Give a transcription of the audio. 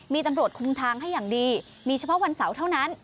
มีตำรวจคุมทางให้อย่างดีมีเฉพาะวันเสาร์เท่านั้น